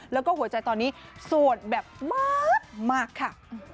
แล้วก็หัวใจตอนนี้โสดแบบมากค่ะ